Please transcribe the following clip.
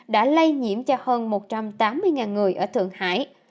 đã lây nhiễm cho hơn một trăm tám mươi người ở thượng hải